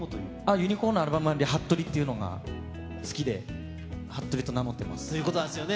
ユニコーンのアルバムにある服部っていうのが好きで、ということなんですよね。